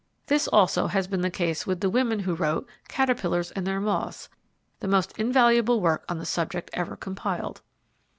This also, has been the case with the women who wrote "Caterpillars and their Moths", the most invaluable work on the subject ever compiled.